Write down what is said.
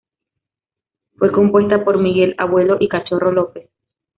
Fue compuesta por Miguel Abuelo y Cachorro López.